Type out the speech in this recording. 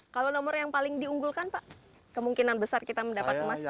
kalau nomor yang paling diunggulkan pak kemungkinan besar kita mendapatkan emas itu ada